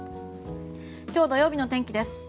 今日土曜日の天気です。